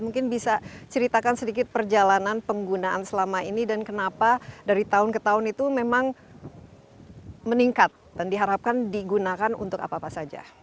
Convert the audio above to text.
mungkin bisa ceritakan sedikit perjalanan penggunaan selama ini dan kenapa dari tahun ke tahun itu memang meningkat dan diharapkan digunakan untuk apa apa saja